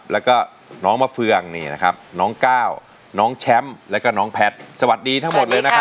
แล้วก็น้องมะเฟืองนี่นะครับน้องก้าวน้องแชมป์แล้วก็น้องแพทย์สวัสดีทั้งหมดเลยนะครับ